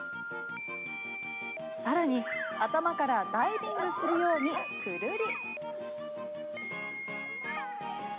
更に、頭からダイビングするようにくるり。